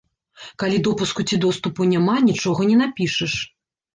Калі допуску ці доступу няма, нічога не напішаш.